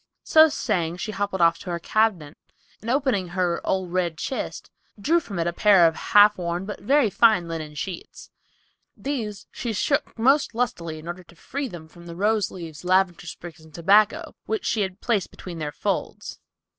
So saying she hobbled off to her cabin and opening her "old red chist," drew from it a pair of half worn, but very fine linen sheets. These she shook most lustily in order to free them from the rose leaves, lavender sprigs and tobacco, which she had placed between their folds.